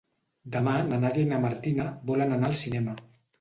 Demà na Nàdia i na Martina volen anar al cinema.